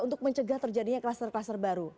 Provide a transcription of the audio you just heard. untuk mencegah terjadinya kluster kluster baru